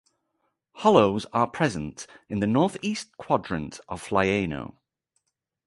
Hollows are present in the northeast quadrant of Flaiano.